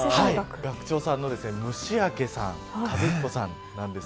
学長さんの虫明一彦さんです。